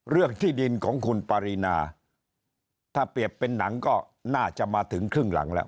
เรื่องที่ดินของคุณปารีนาถ้าเปรียบเป็นหนังก็น่าจะมาถึงครึ่งหลังแล้ว